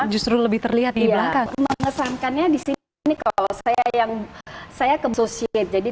justru lebih terlihat di belakang pangkatnya disini kalau saya yang saya kebosipin jadi